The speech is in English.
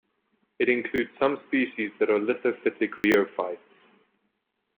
It includes some species that are lithophytic rheophytes.